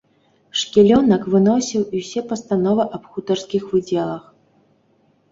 Шкілёнак выносіў і ўсе пастановы аб хутарскіх выдзелах.